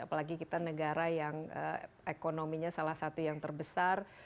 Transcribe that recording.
apalagi kita negara yang ekonominya salah satu yang terbesar